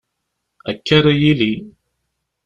Akka ara yili.